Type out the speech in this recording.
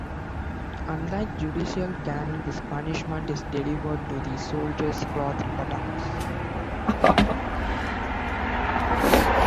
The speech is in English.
Unlike judicial caning, this punishment is delivered to the soldier's clothed buttocks.